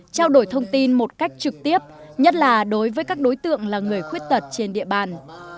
trao đổi thông tin một cách trực tiếp nhất là đối với các đối tượng là người khuyết tật trên địa bàn